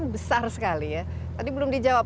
besar sekali ya tadi belum dijawab